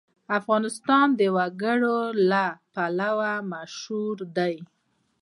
افغانستان د وګړي لپاره مشهور دی.